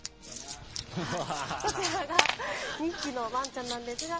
こちらが２匹のワンちゃんなんですが。